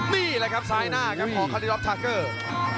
นี่แหละครับซ้ายหน้าครับของคาริรอปทาเกอร์